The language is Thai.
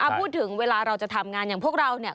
พูดถึงเวลาเราจะทำงานอย่างพวกเรา